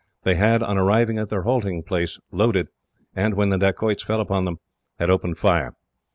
They had, on arriving at their halting place, loaded; and, when the dacoits fell upon them, had opened fire.